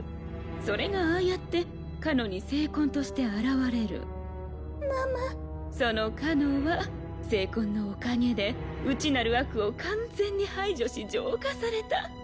それがああやって加乃に聖痕として現れるママそ聖痕のおかげで内なる悪を完全に排除し浄化された。